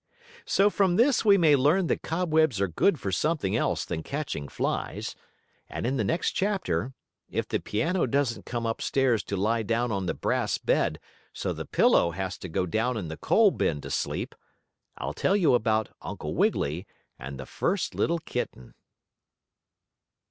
So from this we may learn that cobwebs are good for something else than catching flies, and in the next chapter, if the piano doesn't come upstairs to lie down on the brass bed so the pillow has to go down in the coal bin to sleep, I'll tell you about Uncle Wiggily and the first little kitten.